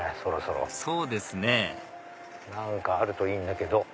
そうですね何かあるといいんだけど。